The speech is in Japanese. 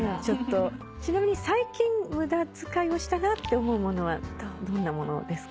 ちなみに最近無駄遣いをしたなって思うものはどんなものですか？